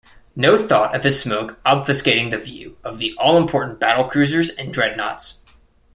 No thought of his smoke obfuscating the view of the all-important battlecruisers and dreadnoughts.